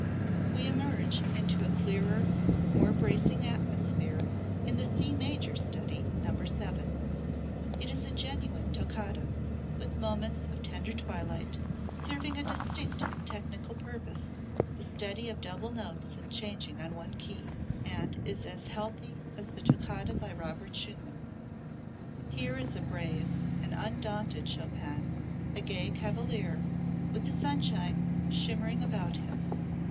We emerge into a clearer, more bracing atmosphere in the C major study, No. 7. It is a genuine toccata, with moments of tender twilight, serving a distinct technical purpose the study of double notes and changing on one key and is as healthy as the toccata by Robert Schumann. Here is a brave, an undaunted Chopin, a gay cavalier, with the sunshine shimmering about him.